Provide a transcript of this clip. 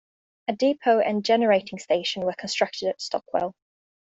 A depot and generating station were constructed at Stockwell.